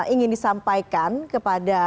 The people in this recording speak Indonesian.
ingin disampaikan kepada